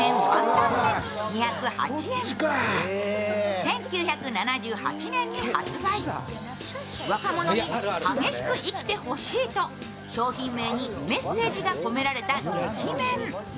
１９７８年に発売、若者に激しく生きてほしいと商品名にメッセージが込められた激めん。